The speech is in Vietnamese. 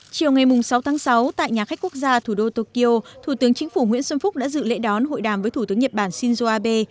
chiều ngày sáu tháng sáu tại nhà khách quốc gia thủ đô tokyo thủ tướng chính phủ nguyễn xuân phúc đã dự lễ đón hội đàm với thủ tướng nhật bản shinzo abe